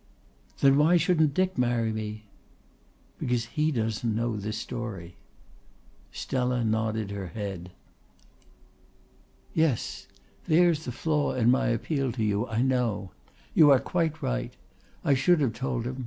"Then why shouldn't Dick marry me?" "Because he doesn't know this story." Stella nodded her head. "Yes. There's the flaw in my appeal to you, I know. You are quite right. I should have told him.